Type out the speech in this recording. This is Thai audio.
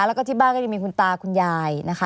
แล้วก็ที่บ้านก็จะมีคุณตาคุณยายนะคะ